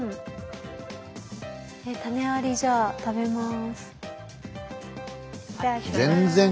種ありじゃあ食べます。